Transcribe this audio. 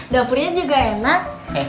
dapurnya juga enak